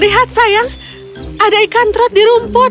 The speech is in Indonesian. lihat sayang ada ikan trot di rumput